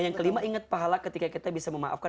yang kelima ingat pahala ketika kita bisa memaafkan